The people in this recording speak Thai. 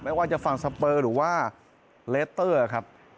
ไม่ว่าจะฝั่งสเปอร์หรือว่าเลสเตอร์ครับ